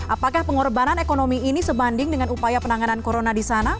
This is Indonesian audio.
apakah pengorbanan ekonomi ini sebanding dengan upaya penanganan corona di sana